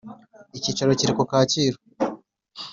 Icyicaro Kiri Kacyiru